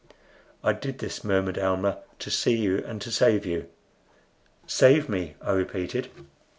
"I did this," murmured Almah, "to see you and to save you." "Save me!" I repeated.